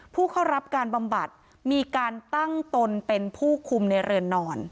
ผู้เข้ารับการบำบัดมีการตั้งตนเป็นผู้คุมในเรือนนอน